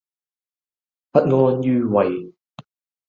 不安於位